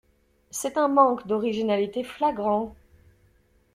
C'est un manque d'originalité flagrant.